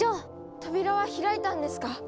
扉は開いたんですか？